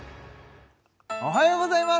おはようございます